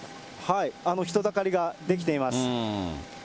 人だかりが出来ています。